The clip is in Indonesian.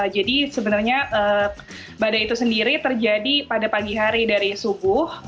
sebenarnya badai itu sendiri terjadi pada pagi hari dari subuh